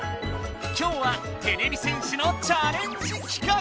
今日はてれび戦士のチャレンジ企画！